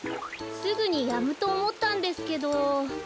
すぐにやむとおもったんですけど。